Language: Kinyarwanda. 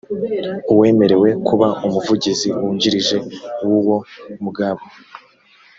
uwemerewe kuba umuvugizi wungirije w uwo mugabo